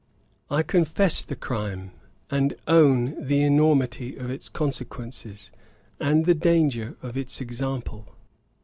'I confess the crime, and own the enormity of its consequences, and the danger of its example.